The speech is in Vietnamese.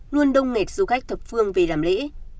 luôn đông nghịch du khách thập phương về làm lễ